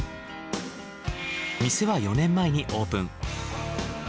店は４年前にオープン。